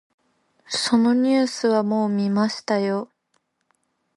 そのニュースはもう見ましたよ。